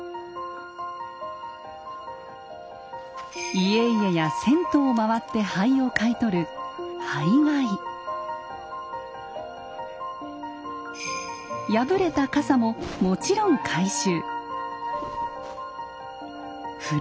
家々や銭湯を回って灰を買い取る破れた傘ももちろん回収。